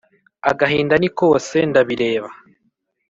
Agahinda ni kose ndabireba